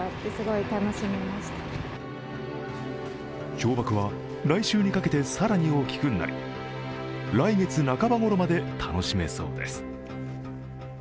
氷ばくは来週にかけて更に大きくなり来月半ばごろまで楽しめそうです。